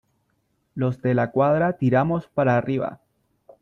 ¡ los De la Cuadra tiramos para arriba !